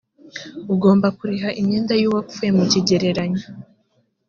ugomba kuriha imyenda y’uwapfuye mu kigereranyo